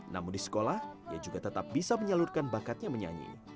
namun di sekolah ia juga tetap bisa menyalurkan bakatnya menyanyi